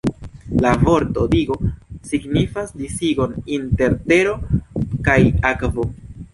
La vorto 'digo' signifas disigon inter tero kaj akvo.